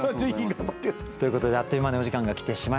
ということであっという間にお時間が来てしまいました。